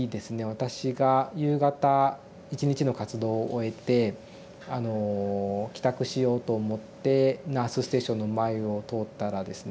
私が夕方一日の活動を終えて帰宅しようと思ってナースステーションの前を通ったらですね